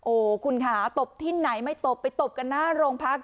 โอ้โหคุณค่ะตบที่ไหนไม่ตบไปตบกันหน้าโรงพัก